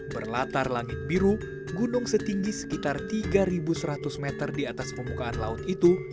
berlatar langit biru gunung setinggi sekitar tiga seratus meter di atas permukaan laut itu